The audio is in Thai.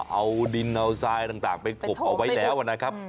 เอาดินเอาทรายต่างไปขบเอาไว้แล้วนะครับ